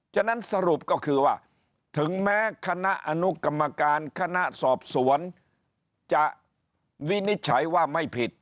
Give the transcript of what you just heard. ฉะนั้นสรุปก็คือว่าถึงแม้คณะอนุกรรมการคณะสอบสวนจะวินิจฉัยว่าไม่ผิด